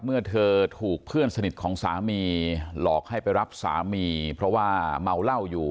เมื่อเธอถูกเพื่อนสนิทของสามีหลอกให้ไปรับสามีเพราะว่าเมาเหล้าอยู่